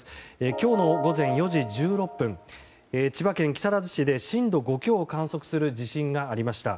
今日の午前４時１６分千葉県木更津市で震度５強を観測する地震がありました。